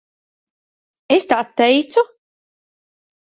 Es tā teicu?